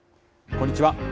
こんにちは。